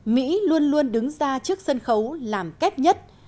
mỹ luôn luôn đứng ra trước sân khấu làm kép nhất